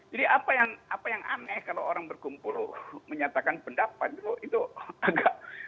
jadi apa yang aneh kalau orang berkumpul menyatakan pendapat itu agak